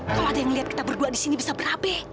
kalau ada yang lihat kita berdua di sini bisa berabe